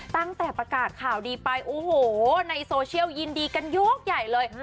ตั้งแต่ประกาศข่าวดีไปโอ้โหในโซเชียลยินดีกันยกใหญ่เลย